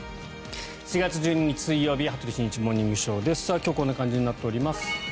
４月１２日、水曜日「羽鳥慎一モーニングショー」。今日はこんな感じになっております。